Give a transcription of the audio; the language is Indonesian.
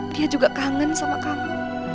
dia juga kangen sama kami